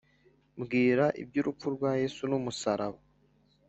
Mbwira ib’urupfu rwa yesu n’umusaraba